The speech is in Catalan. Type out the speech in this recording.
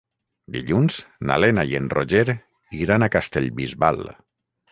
Dilluns na Lena i en Roger iran a Castellbisbal.